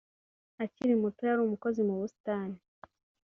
akiri muto yari umukozi mu busitani